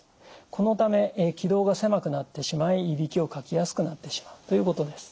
このため気道が狭くなってしまいいびきをかきやすくなってしまうということです。